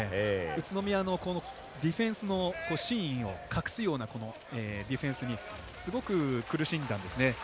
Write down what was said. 宇都宮のディフェンスの真意を隠すようなディフェンスにすごく苦しんだんですね。